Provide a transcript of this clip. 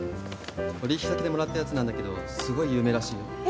取引先でもらったやつなんだけどすごい有名らしいよ。